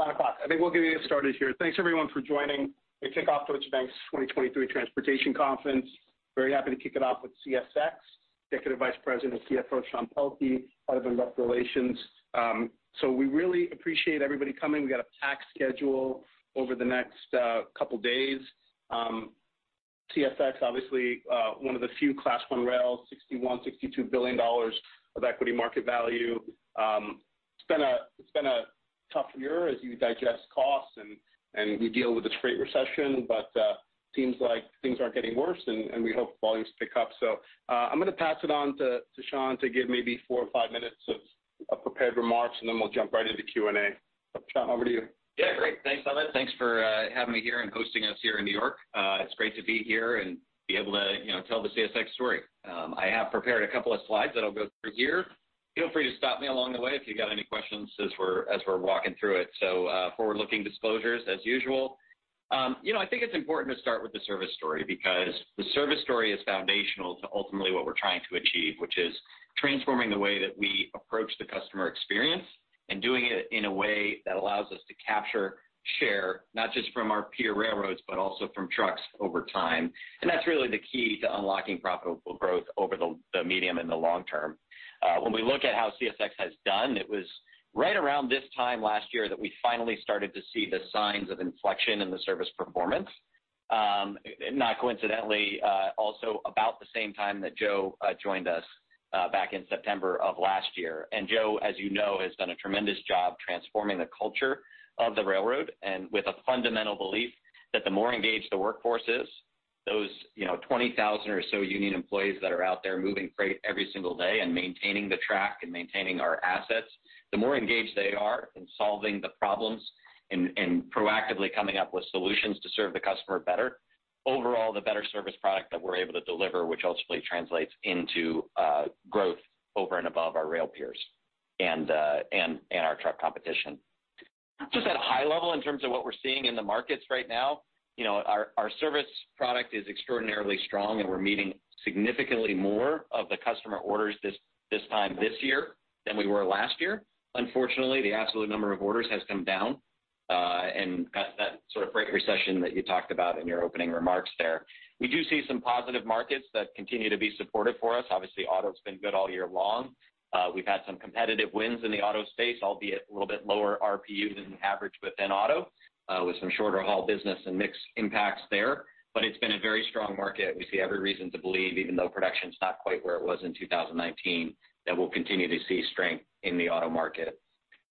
All right, it's 9:00 A.M. I think we'll get started here. Thanks, everyone, for joining the kickoff to Deutsche Bank's 2023 Transportation Conference. Very happy to kick it off with CSX, Executive Vice President and CFO, Sean Pelkey, Investor Relations. we really appreciate everybody coming. We got a packed schedule over the next couple days. CSX, obviously, one of the few Class I railroads, $61 billion-$62 billion of equity market value. it's been a, it's been a tough year as you digest costs and, and we deal with this freight recession, but seems like things aren't getting worse, and, and we hope volumes pick up. I'm going to pass it on to, to Sean to give maybe 4 or 5 minutes of, of prepared remarks, and then we'll jump right into Q&A. Sean, over to you. Yeah, great. Thanks, Amit. Thanks for having me here and hosting us here in New York. It's great to be here and be able to, you know, tell the CSX story. I have prepared a couple of slides that I'll go through here. Feel free to stop me along the way if you got any questions as we're, as we're walking through it. Forward-looking disclosures as usual. You know, I think it's important to start with the service story because the service story is foundational to ultimately what we're trying to achieve, which is transforming the way that we approach the customer experience, and doing it in a way that allows us to capture, share, not just from our peer railroads, but also from trucks over time. And that's really the key to unlocking profitable growth over the, the medium and the long term. When we look at how CSX has done, it was right around this time last year that we finally started to see the signs of inflection in the service performance. Not coincidentally, also about the same time that Joe joined us back in September of last year. Joe, as you know, has done a tremendous job transforming the culture of the railroad and with a fundamental belief that the more engaged the workforce is, those, you know, 20,000 or so union employees that are out there moving freight every single day and maintaining the track and maintaining our assets, the more engaged they are in solving the problems and, and proactively coming up with solutions to serve the customer better, overall, the better service product that we're able to deliver, which ultimately translates into growth over and above our rail peers and, and our truck competition. Just at a high level, in terms of what we're seeing in the markets right now, you know, our, our service product is extraordinarily strong, and we're meeting significantly more of the customer orders this, this time this year than we were last year. Unfortunately, the absolute number of orders has come down, and that sort of freight recession that you talked about in your opening remarks there. We do see some positive markets that continue to be supportive for us. Obviously, auto's been good all year long. We've had some competitive wins in the auto space, albeit a little bit lower RPU than the average within auto, with some shorter haul business and mixed impacts there. It's been a very strong market. We see every reason to believe, even though production's not quite where it was in 2019, that we'll continue to see strength in the auto market.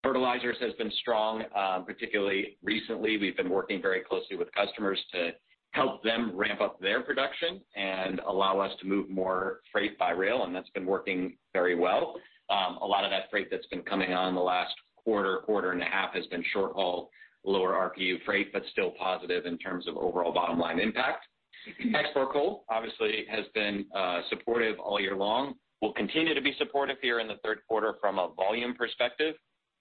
Fertilizers has been strong, particularly recently. We've been working very closely with customers to help them ramp up their production and allow us to move more freight by rail, and that's been working very well. A lot of that freight that's been coming on in the last quarter, quarter and a half, has been short-haul, lower RPU freight, but still positive in terms of overall bottom line impact. Export coal, obviously, has been supportive all year long, will continue to be supportive here in the third quarter from a volume perspective.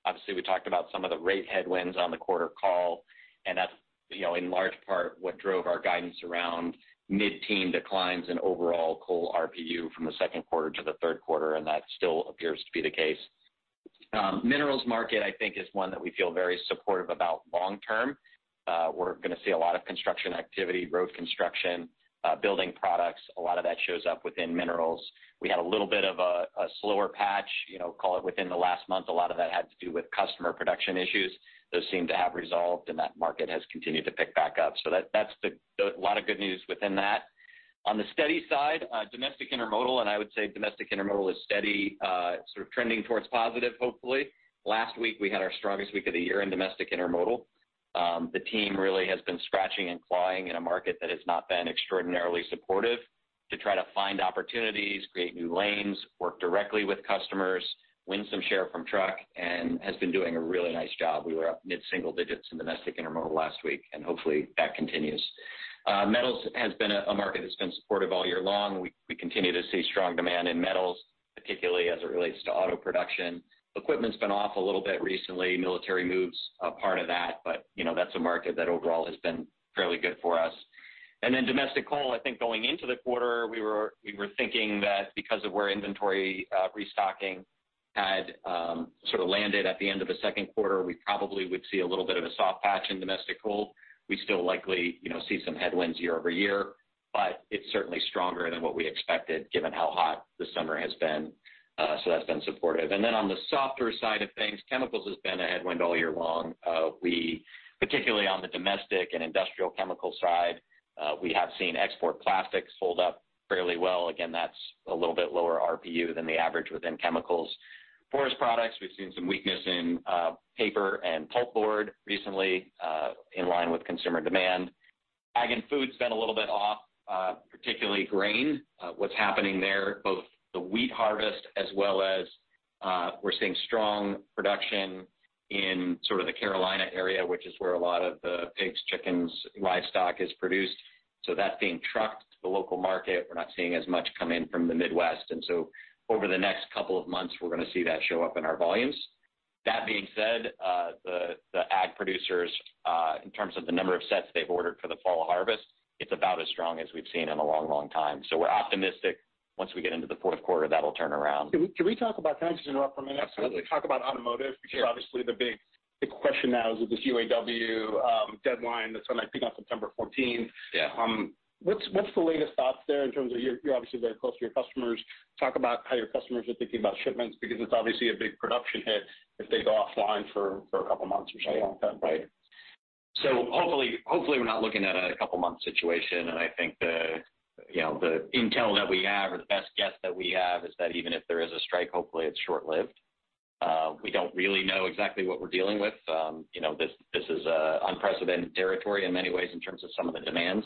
Obviously, we talked about some of the rate headwinds on the quarter call, and that's, you know, in large part, what drove our guidance around mid-teen declines in overall coal RPU from the second quarter to the third quarter, and that still appears to be the case. Minerals market, I think, is one that we feel very supportive about long term. We're going to see a lot of construction activity, road construction, building products. A lot of that shows up within minerals. We had a little bit of a, a slower patch, you know, call it within the last month. A lot of that had to do with customer production issues. Those seem to have resolved, and that market has continued to pick back up. That's a lot of good news within that. On the steady side, domestic intermodal, I would say domestic intermodal is steady, sort of trending towards positive, hopefully. Last week, we had our strongest week of the year in domestic intermodal. The team really has been scratching and clawing in a market that has not been extraordinarily supportive to try to find opportunities, create new lanes, work directly with customers, win some share from truck, has been doing a really nice job. We were up mid-single digits in domestic intermodal last week, and hopefully, that continues. Metals has been a, a market that's been supportive all year long. We, we continue to see strong demand in metals, particularly as it relates to auto production. Equipment's been off a little bit recently. Military move's part of that, but, you know, that's a market that overall has been fairly good for us. Domestic coal, I think going into the quarter, we were, we were thinking that because of where inventory restocking had sort of landed at the end of the second quarter, we probably would see a little bit of a soft patch in domestic coal. We still likely, you know, see some headwinds year-over-year, but it's certainly stronger than what we expected, given how hot the summer has been. That's been supportive. Then on the softer side of things, chemicals has been a headwind all year long. We-- particularly on the domestic and industrial chemical side, we have seen export plastics hold up fairly well. Again, that's a little bit lower RPU than the average within chemicals. Forest Products, we've seen some weakness in paper and pulpboard recently, in line with consumer demand. Ag and food's been a little bit off, particularly grain. What's happening there, both the wheat harvest as well as, we're seeing strong production in sort of the Carolina area, which is where a lot of the pigs, chickens, livestock is produced. That's being trucked to the local market. We're not seeing as much come in from the Midwest. Over the next couple of months, we're going to see that show up in our volumes. That being said, the, the ag producers, in terms of the number of sets they've ordered for the fall harvest, it's about as strong as we've seen in a long, long time. We're optimistic once we get into the fourth quarter, that'll turn around. Can I just interrupt for a minute? Absolutely. Talk about automotive- Sure. obviously, the big, big question now is with this UAW deadline that's coming, I think, on September 14. Yeah. What's, what's the latest thoughts there in terms of you're, you're obviously very close to your customers? Talk about how your customers are thinking about shipments, because it's obviously a big production hit if they go offline for, for a couple of months or something like that. Right. Hopefully, hopefully, we're not looking at a couple of months situation. I think the, you know, the intel that we have or the best guess that we have is that even if there is a strike, hopefully, it's short-lived. We don't really know exactly what we're dealing with. You know, this, this is, unprecedented territory in many ways in terms of some of the demands,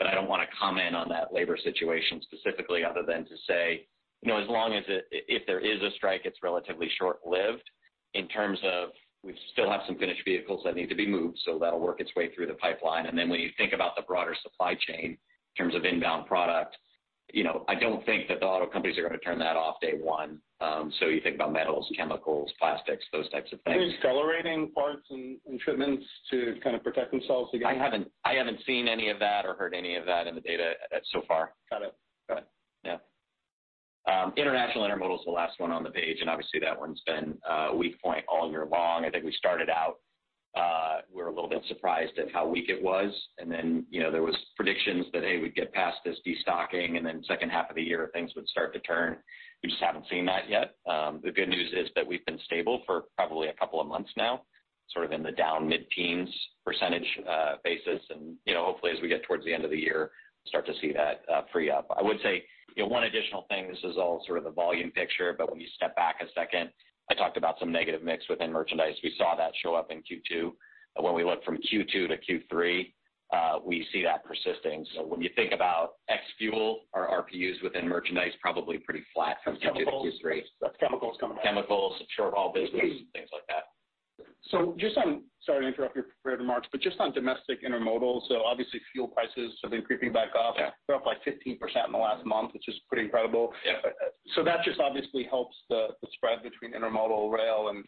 but I don't want to comment on that labor situation specifically, other than to say, you know, as long as it-- if there is a strike, it's relatively short-lived. In terms of we still have some finished vehicles that need to be moved, so that'll work its way through the pipeline. When you think about the broader supply chain in terms of inbound product, you know, I don't think that the auto companies are going to turn that off day one. You think about metals, chemicals, plastics, those types of things. Are they accelerating parts and shipments to kind of protect themselves against? I haven't, I haven't seen any of that or heard any of that in the data so far. Got it. Got it. Yeah. International intermodal is the last one on the page, obviously, that one's been a weak point all year long. I think we started out, we were a little bit surprised at how weak it was, and then, you know, there was predictions that, hey, we'd get past this destocking, and then second half of the year, things would start to turn. We just haven't seen that yet. The good news is that we've been stable for probably a couple of months now, sort of in the down mid-teens % basis. You know, hopefully, as we get towards the end of the year, start to see that, free up. I would say, you know, one additional thing, this is all sort of the volume picture, when you step back a second, I talked about some negative mix within merchandise. We saw that show up in Q2. When we look from Q2 to Q3, we see that persisting. When you think about ex fuel, our RPUs within merchandise, probably pretty flat from Q2 to Q3. Chemicals? Chemicals coming back. Chemicals, short haul business, things like that. Sorry to interrupt you here, Amit, but just on Domestic intermodal, so obviously, fuel prices have been creeping back up. Yeah. They're up, like, 15% in the last month, which is pretty incredible. Yeah. That just obviously helps the, the spread between intermodal, rail, and,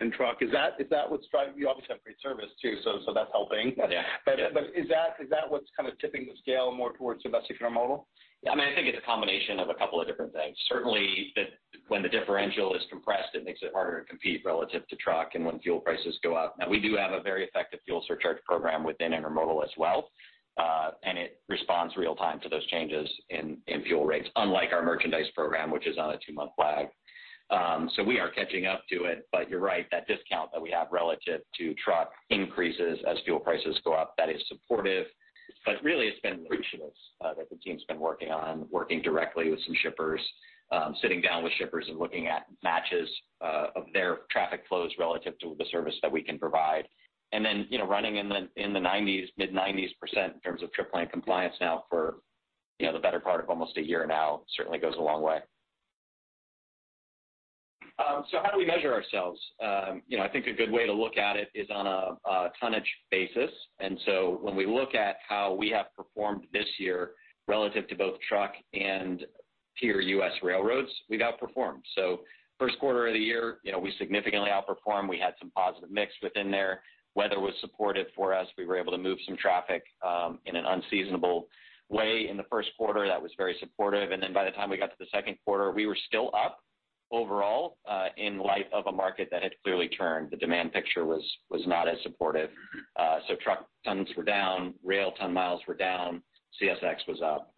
and truck. Is that, is that what's driving...? You obviously have great service, too, so, so that's helping. Yeah. Is that what's kind of tipping the scale more towards domestic intermodal? Yeah, I mean, I think it's a combination of a couple of different things. Certainly, when the differential is compressed, it makes it harder to compete relative to truck and when fuel prices go up. Now, we do have a very effective fuel surcharge program within intermodal as well, and it responds real-time to those changes in, in fuel rates, unlike our merchandise program, which is on a 2-month lag. We are catching up to it, but you're right, that discount that we have relative to truck increases as fuel prices go up, that is supportive. Really, it's been initiatives that the team's been working on, working directly with some shippers, sitting down with shippers and looking at matches of their traffic flows relative to the service that we can provide. you know, running in the, in the 90s, mid-90s% in terms of trip plan compliance now for, you know, the better part of almost a year now, certainly goes a long way. How do we measure ourselves? you know, I think a good way to look at it is on a, a tonnage basis. When we look at how we have performed this year relative to both truck and peer U.S. railroads, we've outperformed. First quarter of the year, you know, we significantly outperformed. We had some positive mix within there. Weather was supportive for us. We were able to move some traffic in an unseasonable way in the first quarter. That was very supportive. By the time we got to the second quarter, we were still up overall, in light of a market that had clearly turned. The demand picture was, was not as supportive. Truck tons were down, rail ton miles were down, CSX was up.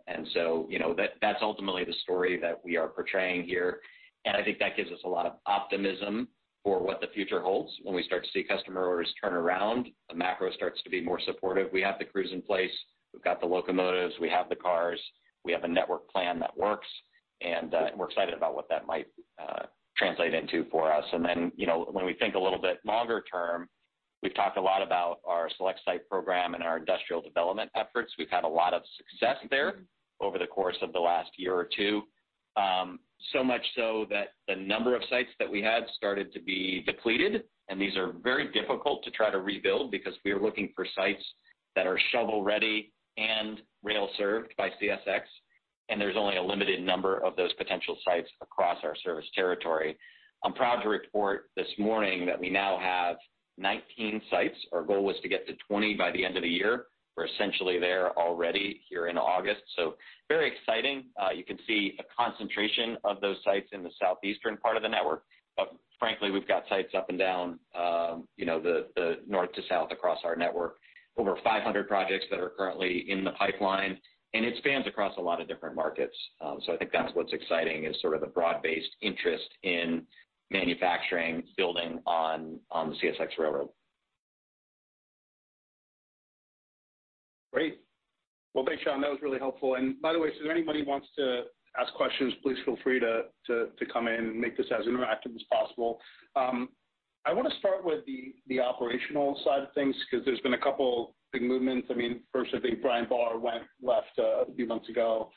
You know, that's ultimately the story that we are portraying here, and I think that gives us a lot of optimism for what the future holds. When we start to see customer orders turn around, the macro starts to be more supportive. We have the crews in place, we've got the locomotives, we have the cars, we have a network plan that works, and we're excited about what that might translate into for us. Then, you know, when we think a little bit longer term, we've talked a lot about our Select Site program and our industrial development efforts. We've had a lot of success there over the course of the last year or two. So much so that the number of sites that we had started to be depleted, and these are very difficult to try to rebuild because we are looking for sites that are shovel-ready and rail-served by CSX, and there's only a limited number of those potential sites across our service territory. I'm proud to report this morning that we now have 19 sites. Our goal was to get to 20 by the end of the year. We're essentially there already here in August, so very exciting. You can see a concentration of those sites in the southeastern part of the network. Frankly, we've got sites up and down, you know, the, the north to south across our network. Over 500 projects that are currently in the pipeline, and it spans across a lot of different markets. I think that's what's exciting, is sort of the broad-based interest in manufacturing, building on, on the CSX railroad. Great. Well, thanks, Amit. That was really helpful. By the way, so if anybody wants to ask questions, please feel free to come in and make this as interactive as possible. I want to start with the operational side of things, because there's been a couple big movements. I mean first, I think Brian Barr left a few months ago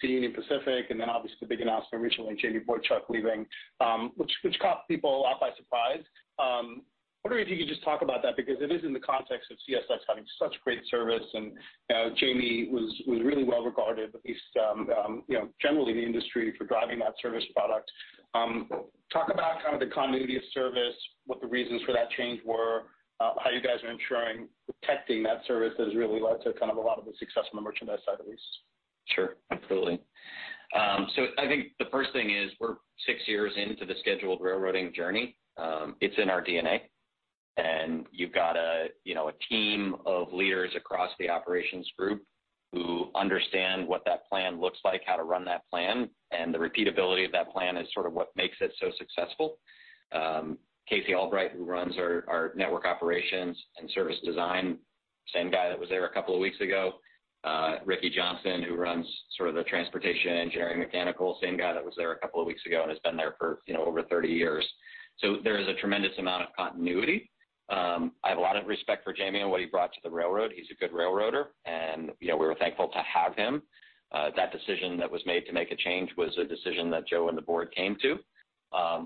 to Union Pacific, and then obviously, the big announcement recently, Jamie Boychuk leaving, which caught people off by surprise. I wonder if you could just talk about that because it is in the context of CSX having such great service, and Jamie was really well regarded, at least, you know, generally in the industry for driving that service product. Talk about kind of the continuity of service, what the reasons for that change were, how you guys are ensuring, protecting that service has really led to kind of a lot of the success on the merchandise side of this. Sure, absolutely. I think the first thing is, we're 6 years into the Scheduled railroading journey. It's in our DNA, and you've got a, you know, a team of leaders across the operations group who understand what that plan looks like, how to run that plan, and the repeatability of that plan is sort of what makes it so successful. Casey Albright, who runs our, our network operations and service design, same guy that was there a couple of weeks ago, Ricky Johnson, who runs sort of the transportation, engineering, mechanical, same guy that was there a couple of weeks ago and has been there for, you know, over 30 years. There is a tremendous amount of continuity. I have a lot of respect for Jamie and what he brought to the railroad. He's a good railroader, and, you know, we were thankful to have him. That decision that was made to make a change was a decision that Joe and the board came to.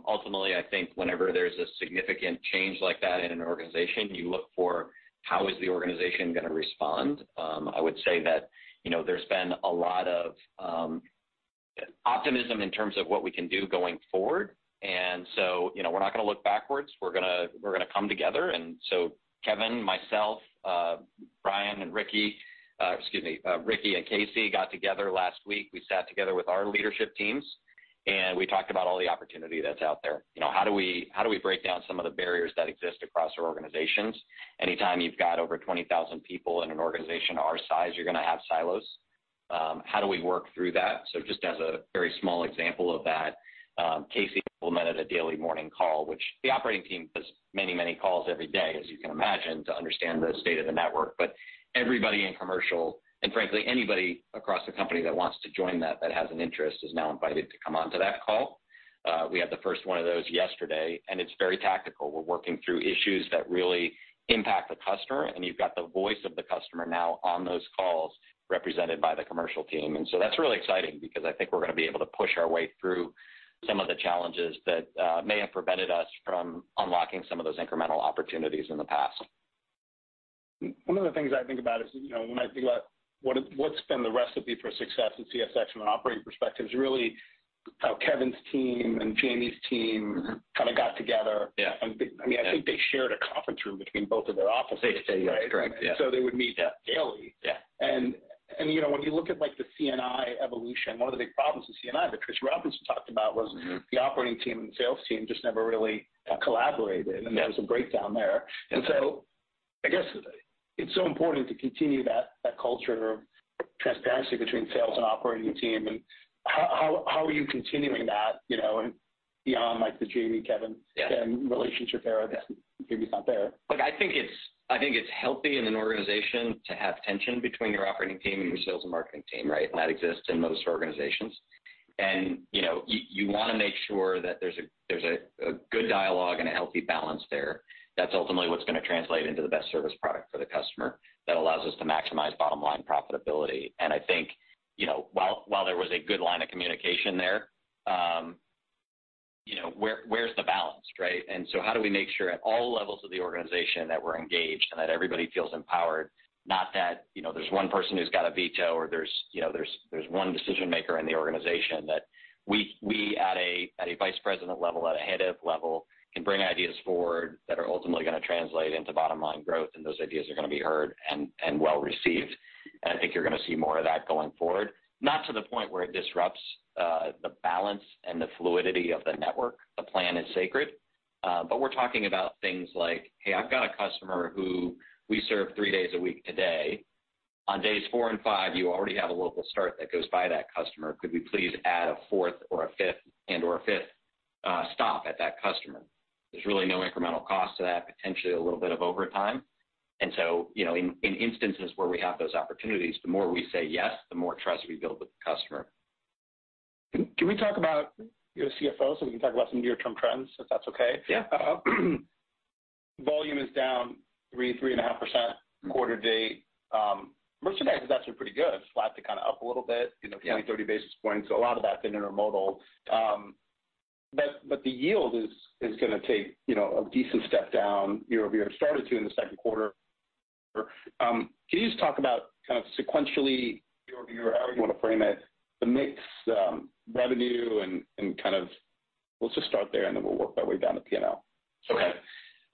Ultimately, I think whenever there's a significant change like that in an organization, you look for, how is the organization going to respond? I would say that, you know, there's been a lot of optimism in terms of what we can do going forward. You know, we're not going to look backwards. We're gonna come together, and so Kevin, myself, Brian and Ricky, excuse me, Ricky and Casey got together last week. We sat together with our leadership teams, and we talked about all the opportunity that's out there. You know, how do we, how do we break down some of the barriers that exist across our organizations? Anytime you've got over 20,000 people in an organization our size, you're going to have silos. How do we work through that? Just as a very small example of that, Casey implemented a daily morning call, which the operating team does many, many calls every day, as you can imagine, to understand the state of the network. Everybody in commercial, and frankly, anybody across the company that wants to join that, that has an interest, is now invited to come onto that call. We had the first one of those yesterday, and it's very tactical. We're working through issues that really impact the customer, and you've got the voice of the customer now on those calls, represented by the commercial team. That's really exciting because I think we're going to be able to push our way through some of the challenges that may have prevented us from unlocking some of those incremental opportunities in the past. One of the things I think about is, you know, when I think about what, what's been the recipe for success in CSX from an operating perspective is really how Kevin's team and Jamie's team kind of got together. Yeah. I mean, I think they shared a conference room between both of their offices. They did, that's correct. They would meet daily. Yeah. You know, when you look at, like, the CNI evolution, one of the big problems with CNI that Tracy Robinson talked about was- Mm-hmm. the operating team and the sales team just never really collaborated, and there was a breakdown there. I guess it's so important to continue that, that culture of transparency between sales and operating team. How, how, how are you continuing that, you know, and beyond, like, the Jamie, Kevin- Yeah. -relationship there, that Jamie's not there? Look, I think it's, I think it's healthy in an organization to have tension between your operating team and your sales and marketing team, right? That exists in most organizations. You know, you, you want to make sure that there's a, there's a, a good dialogue and a healthy balance there. That's ultimately what's going to translate into the best service product for the customer, that allows us to maximize bottom-line profitability. I think, you know, while, while there was a good line of communication there, you know, where, where's the balance, right? How do we make sure at all levels of the organization that we're engaged and that everybody feels empowered? Not that, you know, there's one person who's got a veto or there's, you know, there's, there's one decision-maker in the organization, that we, we, at a, at a vice president level, at a head of level, can bring ideas forward that are ultimately going to translate into bottom-line growth, and those ideas are going to be heard and, and well received. I think you're going to see more of that going forward. Not to the point where it disrupts the balance and the fluidity of the network. The plan is sacred, but we're talking about things like, "Hey, I've got a customer who we serve three days a week today. On days four and five, you already have a local start that goes by that customer. Could we please add a 4th or a 5th, and/or a 5th, stop at that customer?" There's really no incremental cost to that, potentially a little bit of overtime. So, you know, in, in instances where we have those opportunities, the more we say yes, the more trust we build with the customer. Can we talk about your CFO, so we can talk about some near-term trends, if that's okay? Yeah. Volume is down 3, 3.5% quarter date. merchandise is actually pretty good, flat to kind of up a little bit, you know, 20, 30 basis points. the yield is, is going to take, you know, a decent step down year-over-year. It started to in the second quarter. can you just talk about kind of sequentially year-over-year, however you want to frame it, the mix, revenue and, and kind of... We'll just start there, and then we'll work our way down to PNL. Okay.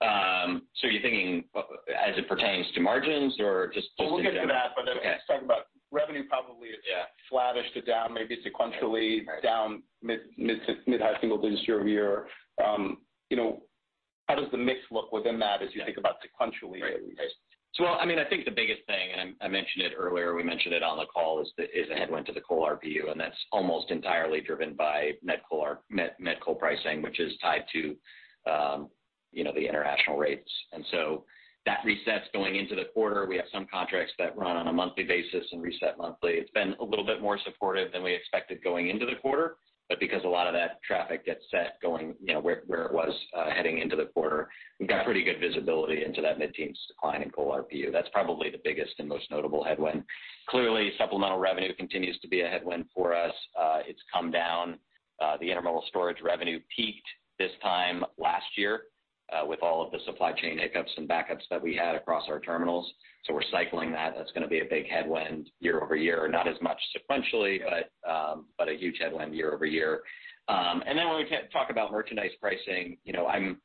You're thinking as it pertains to margins or just- We'll get to that, but then let's talk about revenue probably is- Yeah. flattish to down, maybe sequentially Right. -down mid to mid-high single digits year-over-year. You know, how does the mix look within that as you think about sequentially? Right. I mean, I think the biggest thing, and I, I mentioned it earlier, we mentioned it on the call, is the, is the headwind to the coal RPU, and that's almost entirely driven by net coal pricing, which is tied to, you know, the international rates. That resets going into the quarter. We have some contracts that run on a monthly basis and reset monthly. It's been a little bit more supportive than we expected going into the quarter, because a lot of that traffic gets set going, you know, where, where it was heading into the quarter, we've got pretty good visibility into that mid-teens decline in coal RPU. That's probably the biggest and most notable headwind. Clearly, supplemental revenue continues to be a headwind for us. It's come down. the intermodal storage revenue peaked this time last year, with all of the supply chain hiccups and backups that we had across our terminals. We're cycling that. That's gonna be a big headwind year-over-year, not as much sequentially, but a huge headwind year-over-year. When we talk about merchandise pricing, you know, I'm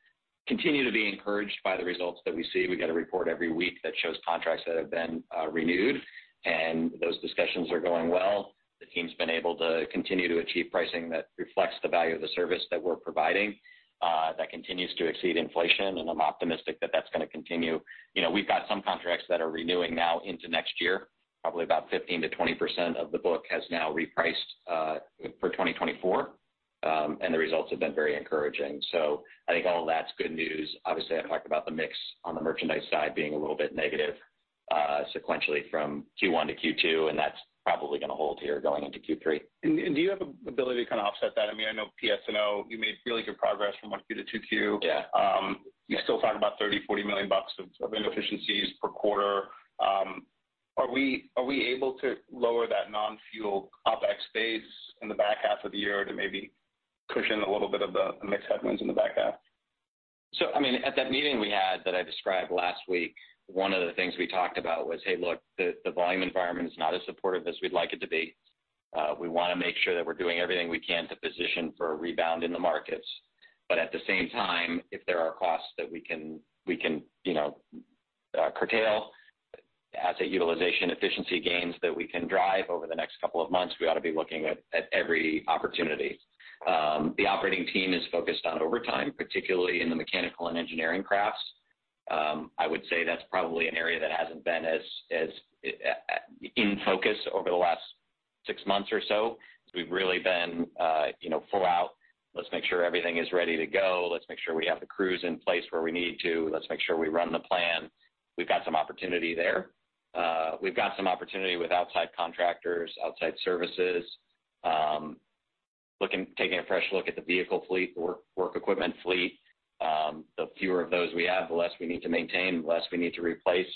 continue to be encouraged by the results that we see. We get a report every week that shows contracts that have been renewed, and those discussions are going well. The team's been able to continue to achieve pricing that reflects the value of the service that we're providing, that continues to exceed inflation, and I'm optimistic that that's gonna continue. You know, we've got some contracts that are renewing now into next year. Probably about 15%-20% of the book has now repriced, for 2024, and the results have been very encouraging. I think all of that's good news. Obviously, I talked about the mix on the merchandise side being a little bit negative, sequentially from Q1 to Q2, and that's probably gonna hold here going into Q3. Do you have ability to kind of offset that? I mean, I know PS&O, you made really good progress from 1Q to 2Q. Yeah. You still talk about $30 million-$40 million of, of inefficiencies per quarter. Are we, are we able to lower that non-fuel OpEx base in the back half of the year to maybe cushion a little bit of the mix headwinds in the back half? I mean, at that meeting we had that I described last week, one of the things we talked about was, hey, look, the volume environment is not as supportive as we'd like it to be. We wanna make sure that we're doing everything we can to position for a rebound in the markets. At the same time, if there are costs that we can, you know, curtail, asset utilization, efficiency gains that we can drive over the next 2 months, we ought to be looking at every opportunity. The operating team is focused on overtime, particularly in the mechanical and engineering crafts. I would say that's probably an area that hasn't been in focus over the last 6 months or so. We've really been, you know, full out, let's make sure everything is ready to go. Let's make sure we have the crews in place where we need to. Let's make sure we run the plan. We've got some opportunity there. We've got some opportunity with outside contractors, outside services. Taking a fresh look at the vehicle fleet, work, work equipment fleet. The fewer of those we have, the less we need to maintain, the less we need to replace.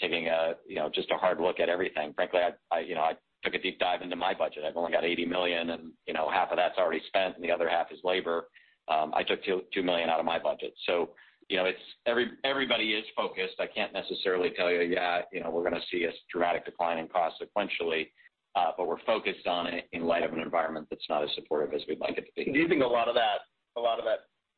Taking a, you know, just a hard look at everything. Frankly, I, you know, I took a deep dive into my budget. I've only got $80 million, and, you know, half of that's already spent, and the other half is labor. I took $2 million out of my budget. You know, it's everybody is focused. I can't necessarily tell you, yeah, you know, we're gonna see a dramatic decline in cost sequentially, but we're focused on it in light of an environment that's not as supportive as we'd like it to be. Do you think a lot of that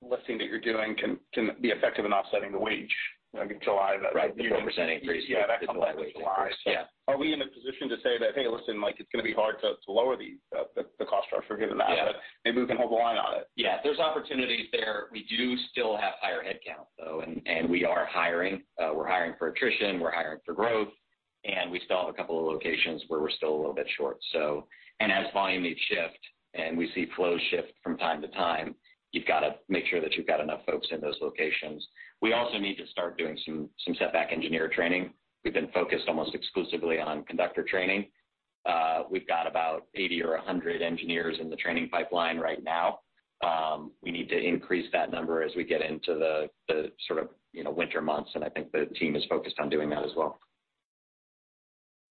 lifting that you're doing can be effective in offsetting the wage, like in July? Right, the 4% increase. Yeah, that comes out in July. Yeah. Are we in a position to say that, "Hey, listen, like, it's gonna be hard to, to lower the, the, the cost structure given that? Yeah. Maybe we can hold the line on it. Yeah, there's opportunities there. We do still have higher headcount, though, and, and we are hiring. We're hiring for attrition, we're hiring for growth, and we still have a couple of locations where we're still a little bit short. As volume needs shift and we see flows shift from time to time, you've got to make sure that you've got enough folks in those locations. We also need to start doing some, some setback engineer training. We've been focused almost exclusively on conductor training. We've got about 80 or 100 engineers in the training pipeline right now. We need to increase that number as we get into the, the sort of, you know, winter months, and I think the team is focused on doing that as well.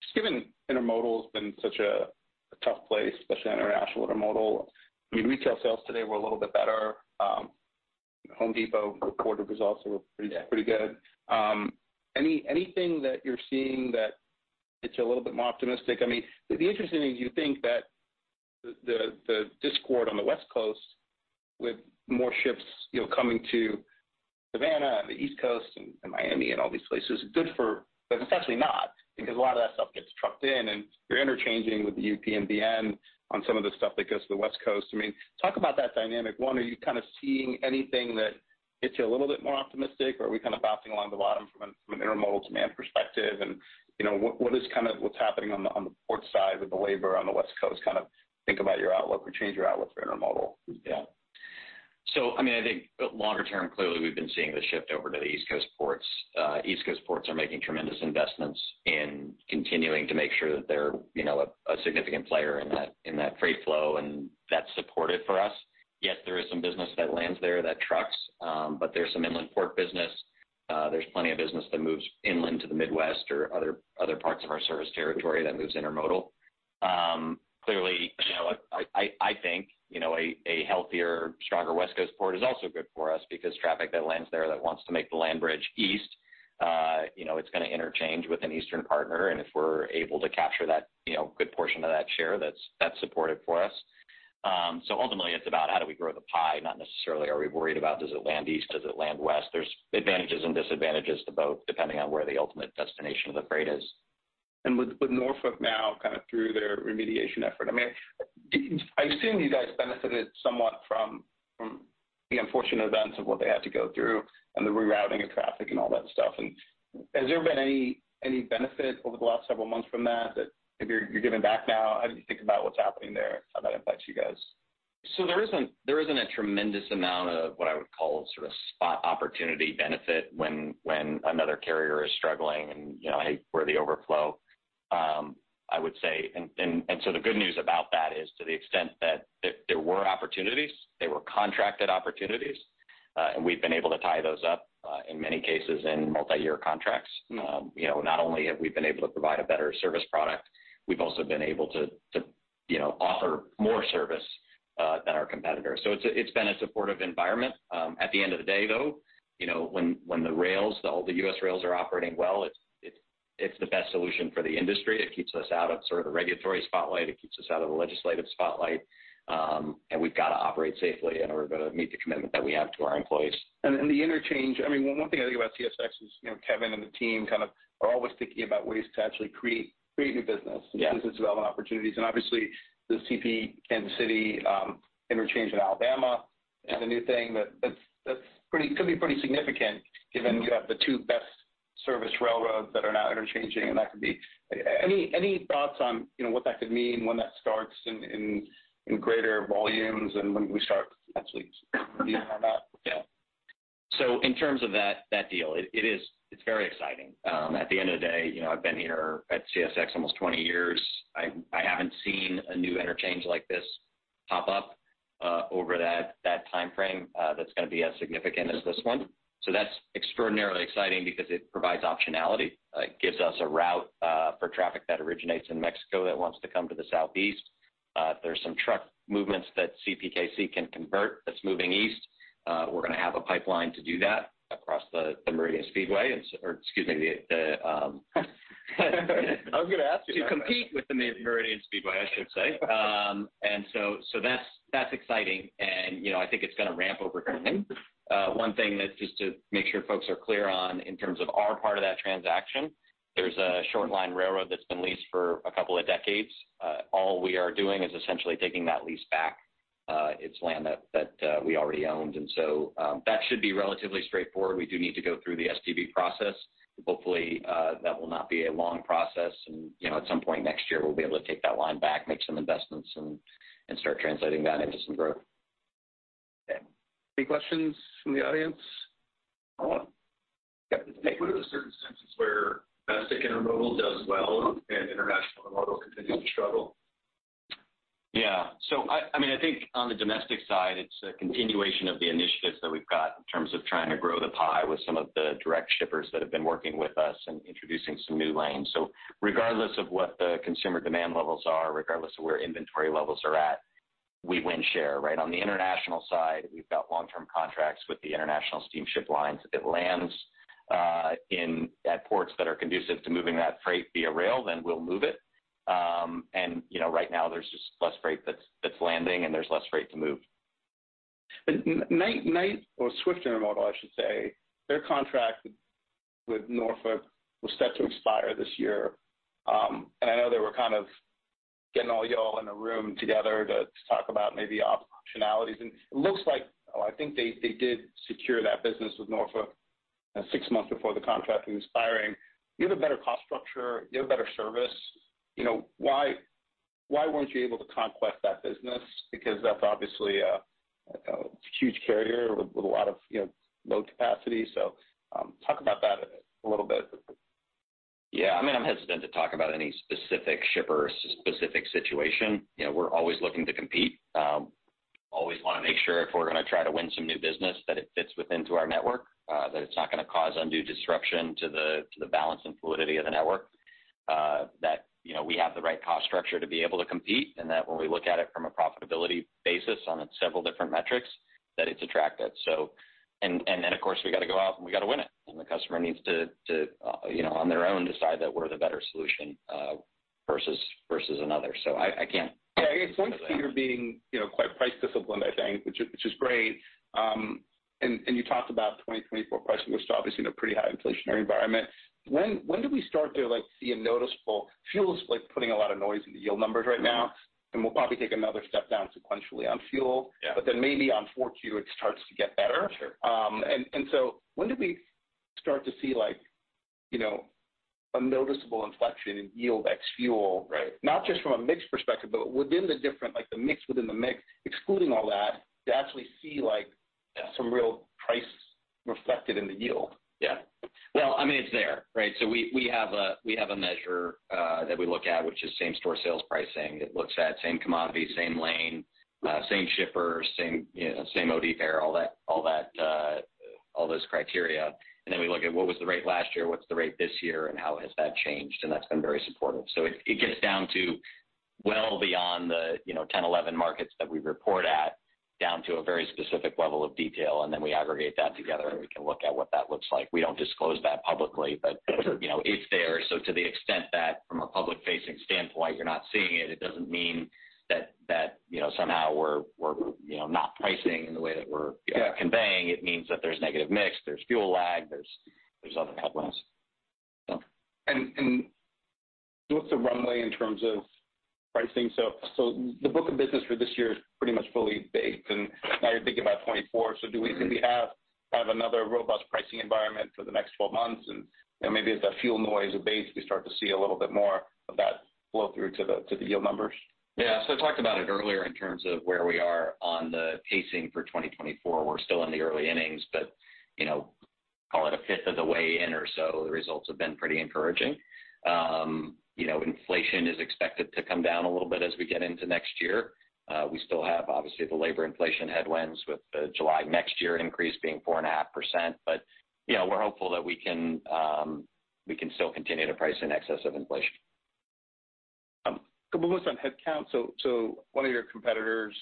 Just given intermodal's been such a, a tough place, especially international intermodal. I mean, retail sales today were a little bit better. Home Depot reported results that were Yeah... pretty good. Anything that you're seeing that it's a little bit more optimistic? I mean, the interesting thing, you think that the, the discord on the West Coast with more ships, you know, coming to Savannah and the East Coast and Miami and all these places is good for... But it's actually not, because a lot of that stuff gets trucked in, and you're interchanging with the UP and BN on some of the stuff that goes to the West Coast. I mean, talk about that dynamic. One, are you kind of seeing anything that gets you a little bit more optimistic, or are we kind of bouncing along the bottom from an intermodal demand perspective? You know, what, what is kind of what's happening on the, on the port side with the labor on the West Coast? Kind of think about your outlook or change your outlook for intermodal. I mean, I think longer term, clearly, we've been seeing the shift over to the East Coast ports. East Coast ports are making tremendous investments in continuing to make sure that they're, you know, a, a significant player in that, in that freight flow, and that's supported for us. Yes, there is some business that lands there, that trucks, but there's some inland port business. There's plenty of business that moves inland to the Midwest or other, other parts of our service territory that moves intermodal. Clearly, you know, I, I, I think, you know, a, a healthier, stronger West Coast port is also good for us because traffic that lands there that wants to make the land bridge east, you know, it's gonna interchange with an eastern partner, and if we're able to capture that, you know, good portion of that share, that's, that's supportive for us. Ultimately, it's about how do we grow the pie, not necessarily are we worried about does it land east, does it land west? There's advantages and disadvantages to both, depending on where the ultimate destination of the freight is. With, with Norfolk now kind of through their remediation effort, I mean, I assume you guys benefited somewhat from, from the unfortunate events of what they had to go through and the rerouting of traffic and all that stuff? Has there been any, any benefit over the last several months from that, that maybe you're, you're giving back now? How do you think about what's happening there, how that impacts you guys? There isn't, there isn't a tremendous amount of what I would call sort of spot opportunity benefit when, when another carrier is struggling and, you know, "Hey, we're the overflow." I would say. The good news about that is to the extent that there, there were opportunities, they were contracted opportunities. We've been able to tie those up, in many cases in multi-year contracts. You know, not only have we been able to provide a better service product, we've also been able to, to, you know, offer more service, than our competitors. It's, it's been a supportive environment. At the end of the day, though, you know, when, when the rails, all the U.S. rails are operating well, it's, it's, it's the best solution for the industry. It keeps us out of sort of the regulatory spotlight. It keeps us out of the legislative spotlight. We've got to operate safely, and we're going to meet the commitment that we have to our employees. The interchange, I mean, one thing I think about CSX is, you know, Kevin and the team kind of are always thinking about ways to actually create, create new business... Yeah. business development opportunities, and obviously, the CPKC interchange in Alabama is a new thing that could be pretty significant, given you have the 2 best service railroads that are now interchanging, and that could be... Any, any thoughts on, you know, what that could mean, when that starts in, in, in greater volumes and when we start actually seeing that? Yeah. In terms of that, that deal, it is, it's very exciting. At the end of the day, you know, I've been here at CSX almost 20 years. I, I haven't seen a new interchange like this pop up over that, that time frame, that's going to be as significant as this one. That's extraordinarily exciting because it provides optionality. It gives us a route for traffic that originates in Mexico that wants to come to the southeast. There's some truck movements that CPKC can convert that's moving east. We're going to have a pipeline to do that across the, the Meridian Speedway, or excuse me, the, I was going to ask you that. To compete with the Meridian Speedway, I should say. That's exciting, and, you know, I think it's going to ramp over time. One thing that, just to make sure folks are clear on in terms of our part of that transaction, there's a short line railroad that's been leased for a couple of decades. All we are doing is essentially taking that lease back. It's land that we already owned, that should be relatively straightforward. We do need to go through the STB process. Hopefully, that will not be a long process, you know, at some point next year, we'll be able to take that line back, make some investments and start translating that into some growth. Okay. Any questions from the audience? Yep. What are the circumstances where Domestic intermodal does well and International intermodal continues to struggle? I, I mean, I think on the domestic side, it's a continuation of the initiatives that we've got in terms of trying to grow the pie with some of the direct shippers that have been working with us and introducing some new lanes. Regardless of what the consumer demand levels are, regardless of where inventory levels are at, we win share, right? On the international side, we've got long-term contracts with the international steamship lines. If it lands at ports that are conducive to moving that freight via rail, then we'll move it. And, you know, right now there's just less freight that's, that's landing, and there's less freight to move. Knight-Swift Transportation, I should say, their contract with Norfolk was set to expire this year. I know they were kind of getting all you all in a room together to talk about maybe optionalities. It looks like, I think they, they did secure that business with Norfolk, six months before the contract was expiring. You have a better cost structure. You have a better service. You know, why, why weren't you able to conquest that business? That's obviously a, a huge carrier with, with a lot of, you know, load capacity. Talk about that a little bit. Yeah, I mean, I'm hesitant to talk about any specific shipper or specific situation. You know, we're always looking to compete. Always want to make sure if we're going to try to win some new business, that it fits within to our network, that it's not going to cause undue disruption to the, to the balance and fluidity of the network. That, you know, we have the right cost structure to be able to compete, and that when we look at it from a profitability basis on its several different metrics, that it's attractive. And, and then, of course, we got to go out and we got to win it, and the customer needs to, to, you know, on their own, decide that we're the better solution, versus, versus another. I, I can't- Yeah, I guess once you're being, you know, quite price disciplined, I think, which is, which is great. You talked about 2024 pricing, which is obviously in a pretty high inflationary environment. When do we start to, like, see a noticeable. Fuel is, like, putting a lot of noise in the yield numbers right now, and we'll probably take another step down sequentially on fuel. Yeah. Then maybe on 4Q, it starts to get better. Sure. When do we start to see like, you know, a noticeable inflection in yield ex fuel? Right. Not just from a mix perspective, but within the different, like, the mix within the mix, excluding all that, to actually see, like, some real price reflected in the yield. Yeah. Well, I mean, it's there, right? We, we have a, we have a measure that we look at, which is Same-store sales pricing. It looks at same commodity, same lane, same shipper, same, you know, same OD pair, all that, all that, all those criteria. We look at what was the rate last year, what's the rate this year, and how has that changed? That's been very supportive. It, it gets down to well beyond the, you know, 10, 11 markets that we report at, down to a very specific level of detail, we aggregate that together, and we can look at what that looks like. We don't disclose that publicly, but... Sure... you know, it's there. To the extent that from a public-facing standpoint, you're not seeing it, it doesn't mean that, that, you know, somehow we're, we're, you know, not pricing in the way that we're- Yeah conveying. It means that there's negative mix, there's fuel lag, there's other headwinds. What's the runway in terms of pricing? The book of business for this year is pretty much fully baked, and now you're thinking about 24. Do we, do we have kind of another robust pricing environment for the next 12 months? Maybe as the fuel noise abates, we start to see a little bit more of that flow through to the, to the yield numbers. Yeah. I talked about it earlier in terms of where we are on the pacing for 2024. We're still in the early innings, but, you know, of the way in or so, the results have been pretty encouraging. You know, inflation is expected to come down a little bit as we get into next year. We still have, obviously, the labor inflation headwinds, with the July next year increase being 4.5%. You know, we're hopeful that we can still continue to price in excess of inflation. Couple of things on headcount. One of your competitors,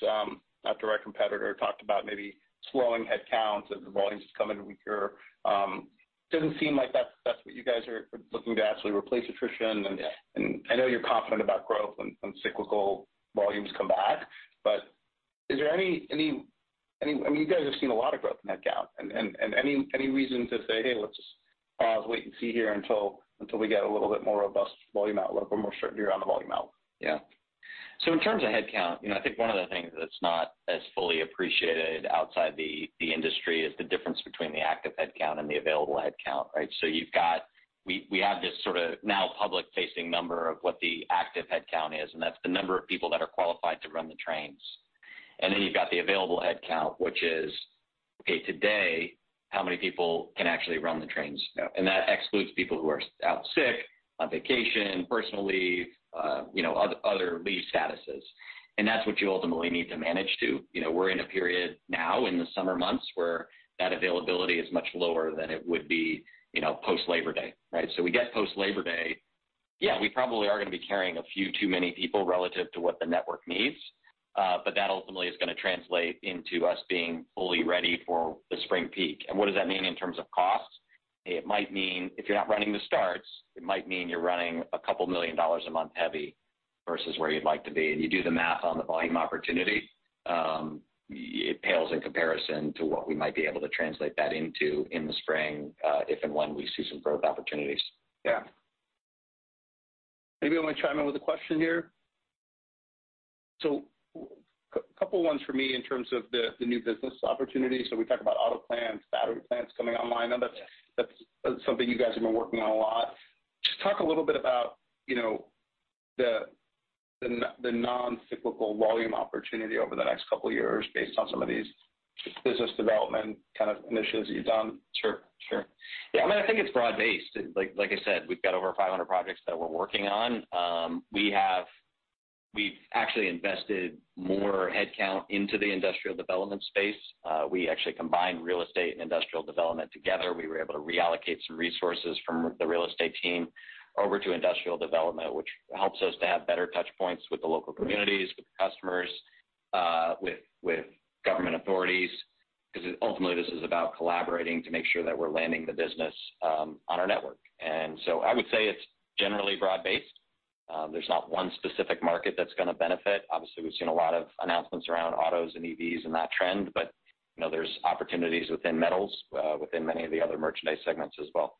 not direct competitor, talked about maybe slowing headcount as the volumes come in weaker. Doesn't seem like that's, that's what you guys are looking to actually replace attrition. Yeah. I know you're confident about growth when, when cyclical volumes come back, but is there any I mean, you guys have seen a lot of growth in headcount, and any reason to say, "Hey, let's just pause, wait, and see here until, until we get a little bit more robust volume outlook, or more certain year on the volume outlook? In terms of headcount, you know, I think one of the things that's not as fully appreciated outside the, the industry is the difference between the active headcount and the available headcount, right? We, we have this sort of now public-facing number of what the active headcount is, and that's the number of people that are qualified to run the trains. Then you've got the available headcount, which is, okay, today, how many people can actually run the trains now? That excludes people who are out sick, on vacation, personal leave, you know, other, other leave statuses. That's what you ultimately need to manage to. You know, we're in a period now in the summer months, where that availability is much lower than it would be, you know, post-Labor Day, right? We get post-Labor Day, yeah, we probably are going to be carrying a few too many people relative to what the network needs, but that ultimately is going to translate into us being fully ready for the spring peak. What does that mean in terms of costs? It might mean if you're not running the starts, it might mean you're running $2 million a month heavy versus where you'd like to be. You do the math on the volume opportunity, it pales in comparison to what we might be able to translate that into in the spring, if and when we see some growth opportunities. Yeah. Maybe I want to chime in with a question here. Couple ones for me in terms of the, the new business opportunities. We talked about auto plans, battery plans coming online. Now, that's- Yeah ... that's something you guys have been working on a lot. Just talk a little bit about, you know, the non-cyclical volume opportunity over the next 2 years based on some of these business development kind of initiatives you've done. Sure, sure. Yeah, I mean, I think it's broad-based. Like, like I said, we've got over 500 projects that we're working on. We've actually invested more headcount into the industrial development space. We actually combined real estate and industrial development together. We were able to reallocate some resources from the real estate team over to industrial development, which helps us to have better touch points with the local communities, with customers, with, with government authorities, because ultimately, this is about collaborating to make sure that we're landing the business on our network. I would say it's generally broad-based. There's not one specific market that's going to benefit. Obviously, we've seen a lot of announcements around autos and EVs and that trend, but, you know, there's opportunities within metals, within many of the other merchandise segments as well.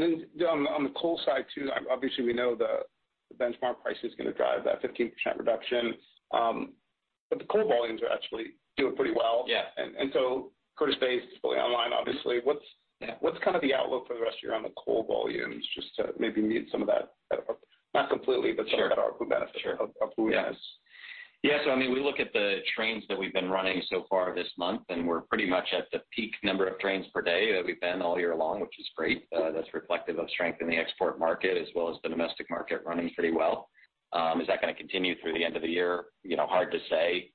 On, on the coal side, too, obviously, we know the benchmark price is going to drive that 15% reduction, but the coal volumes are actually doing pretty well. Yeah. Curtis Bay is fully online, obviously. Yeah. What's, what's kind of the outlook for the rest of year on the coal volumes, just to maybe meet some of that, not completely, but?... Sure... benefit? Sure. Yes. Yeah. I mean, we look at the trains that we've been running so far this month, and we're pretty much at the peak number of trains per day that we've been all year long, which is great. That's reflective of strength in the export market, as well as the domestic market running pretty well. Is that going to continue through the end of the year? You know, hard to say.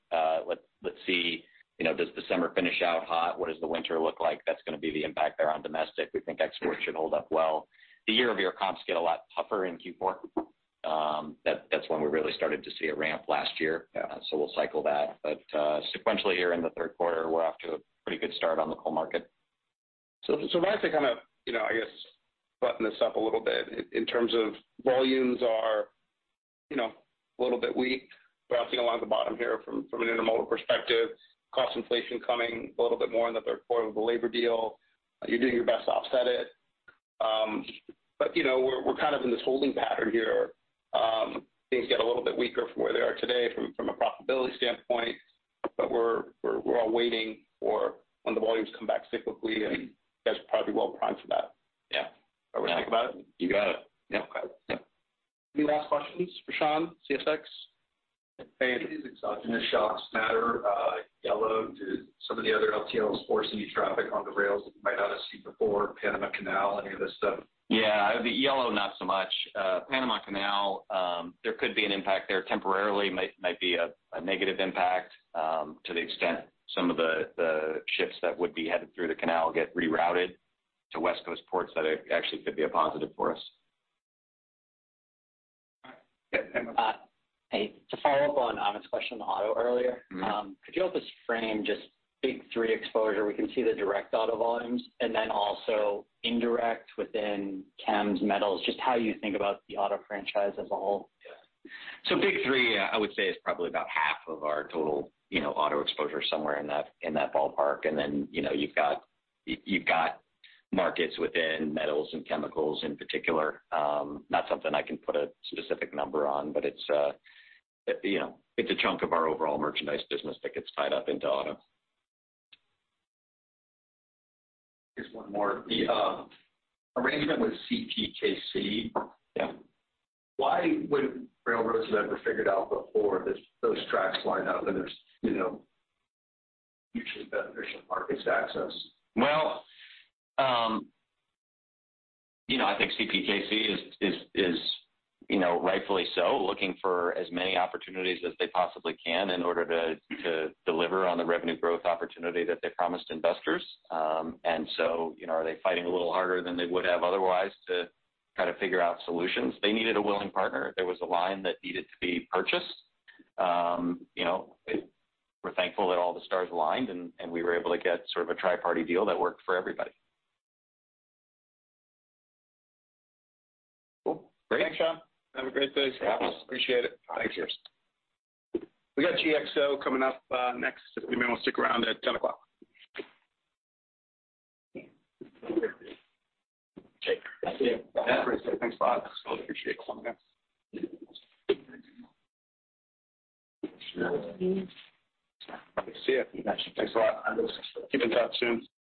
Let's, let's see, you know, does December finish out hot? What does the winter look like? That's going to be the impact there on domestic. We think exports should hold up well. The year-over-year comps get a lot tougher in Q4. That's when we really started to see a ramp last year, so we'll cycle that. Sequentially, here in the third quarter, we're off to a pretty good start on the coal market. When I think kind of, you know, I guess, button this up a little bit in terms of volumes are, you know, a little bit weak. We're bouncing along the bottom here from, from an intermodal perspective, cost inflation coming a little bit more in the third quarter of the labor deal. You're doing your best to offset it. But, you know, we're, we're kind of in this holding pattern here. Things get a little bit weaker from where they are today, from, from a profitability standpoint, but we're, we're, we're all waiting for when the volumes come back cyclically, and you guys are probably well-primed for that. Yeah. How would you think about it? You got it. Yeah. Okay. Yep. Any last questions for Sean, CSX? Hey, these exogenous shocks matter, Yellow to some of the other LTLs forcing traffic on the rails that we might not have seen before, Panama Canal, any of this stuff? Yeah, the yellow, not so much. Panama Canal, there could be an impact there. Temporarily, might, might be a, a negative impact, to the extent some of the, the ships that would be headed through the canal get rerouted to West Coast ports, that it actually could be a positive for us. Yeah. Hey, to follow up on Amit's question on auto earlier. Mm-hmm. Could you help us frame just big three exposure? We can see the direct auto volumes and then also indirect within chems, metals, just how you think about the auto franchise as a whole. Yeah. Big Three, I would say, is probably about half of our total, you know, auto exposure, somewhere in that, in that ballpark. Then, you know, you've got markets within metals and chemicals in particular. Not something I can put a specific number on, but it's, you know, it's a chunk of our overall merchandise business that gets tied up into auto. Just one more. The arrangement with CPKC. Yeah. Why would railroads have ever figured out before this, those tracks line up, and there's, you know, hugely beneficial markets access? Well, you know, I think CPKC is, is, is, you know, rightfully so, looking for as many opportunities as they possibly can in order to, to deliver on the revenue growth opportunity that they promised investors. You know, are they fighting a little harder than they would have otherwise to kind of figure out solutions? They needed a willing partner. There was a line that needed to be purchased. You know, we're thankful that all the stars aligned, and we were able to get sort of a triparty deal that worked for everybody. Cool. Great. Thanks, Sean. Have a great day. Yeah. Appreciate it. Thanks, cheers. We got GXO coming up, next. If you may want to stick around at 10:00 A.M. Okay. Thanks a lot. Appreciate it. See you. Thanks a lot. Keep in touch soon.